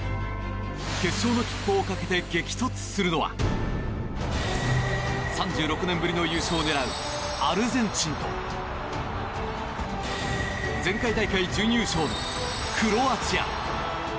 決勝の切符をかけて激突するのは３６年ぶりの優勝を狙うアルゼンチンと前回大会準優勝のクロアチア。